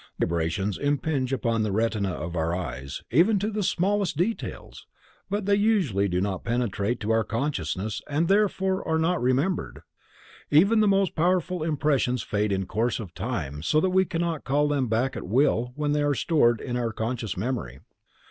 These vibrations impinge upon the retina of our eyes, even to the very smallest details, but they usually do not penetrate to our consciousness, and therefore are not remembered. Even the most powerful impressions fade in course of time so that we cannot call them back at will when they are stored in our conscious memory.